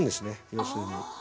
要するに。